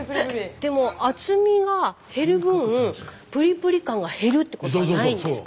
でも厚みが減る分プリプリ感が減るってことはないんですか？